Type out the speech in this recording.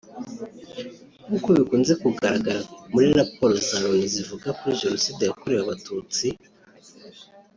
nk’uko bikunze kugaragara muri raporo za Loni zivuga kuri Jenoside yakorewe Abatutsi